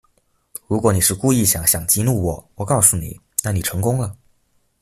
如果你是故意想想激怒我，我告诉你，那你成功了